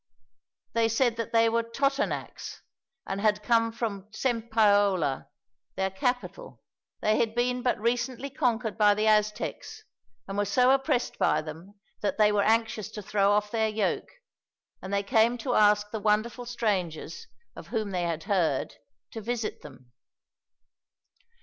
They said that they were Totonacs, and had come from Cempoalla, their capital. They had been but recently conquered by the Aztecs, and were so oppressed by them that they were anxious to throw off their yoke, and they came to ask the wonderful strangers, of whom they had heard, to visit them.